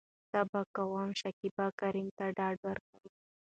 څه به کوم.شکيبا کريم ته ډاډ ورکو .